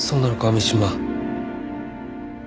三島。